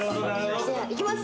行きます。